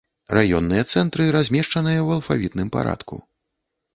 Раённыя цэнтры размешчаныя ў алфавітным парадку.